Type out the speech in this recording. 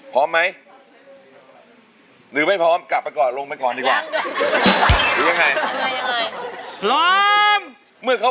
ถ้าคุณถุยพร้อมแล้วอินโทรเพลงที่๑มาเลยครับ